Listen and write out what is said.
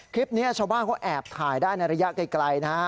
คลิปนี้ชาวบ้านเขาแอบถ่ายได้ในระยะไกลนะฮะ